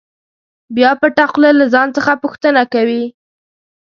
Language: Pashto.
بیا پټه خوله له ځان څخه پوښتنه کوي.